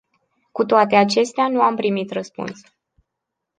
Cu toate acestea, nu am primit răspuns.